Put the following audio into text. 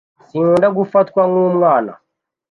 Sinkunda gufatwa nkumwana.